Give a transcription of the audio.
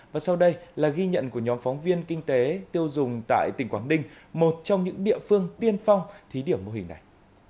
và sau đây là ghi nhận của nhóm phóng viên kinh tế tiêu dùng tại tỉnh quảng ninh một trong những địa phương tiên phong thí điểm mô hình này